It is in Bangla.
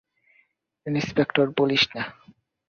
ইনস্পেক্টর বলিস না।